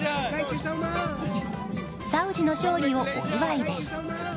サウジの勝利をお祝いです。